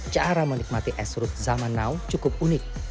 cara menikmati esrut zaman now cukup unik